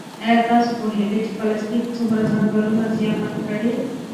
ایا تاسو پوهېږئ چې پلاستیک څومره ځنګلونه زیانمن کړي؟